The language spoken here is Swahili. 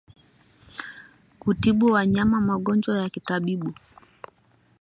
Kutibu wanyama magonjwa ya kitabibu